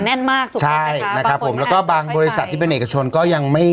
แน่นมากถูกเป็นไหมคะบางคนอาจจะค่อยแล้วก็บางบริษัทที่เป็นเอกชนก็ยังไม่